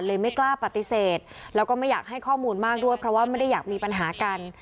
ไม่กล้าปฏิเสธแล้วก็ไม่อยากให้ข้อมูลมากด้วยเพราะว่าไม่ได้อยากมีปัญหากัน